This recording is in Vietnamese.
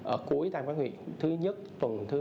ở cuối tam cá nguyệt thứ nhất tuần thứ một mươi bốn